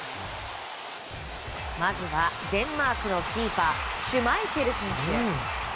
まずはデンマークのキーパーシュマイケル選手。